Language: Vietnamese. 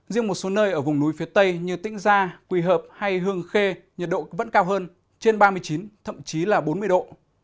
riêng một số nơi ở vùng núi phía tây như tĩnh gia quỳ hợp hay hương khê nhiệt độ vẫn cao hơn trên ba mươi chín thậm chí là bốn mươi độ